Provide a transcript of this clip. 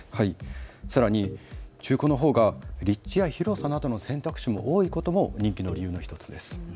さらに中古のほうが立地や広さなどの選択肢も多いことも人気の理由の１つです。